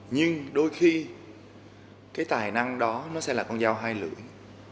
nhưng đôi khi cái tài năng đó nó sẽ là con dao hai lưỡi